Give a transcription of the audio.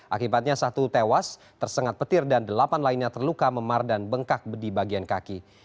akibatnya satu tewas tersengat petir dan delapan lainnya terluka memar dan bengkak di bagian kaki